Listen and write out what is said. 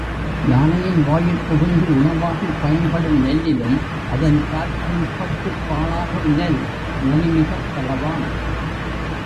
யானையின் வாயுட் புகுந்து உணவாகிப் பயன்படும் நெல்லிலும் அதன் காற்கீழ்ப் பட்டுப் பாழாகும் நெல் நனிமிகப் பலவாம்.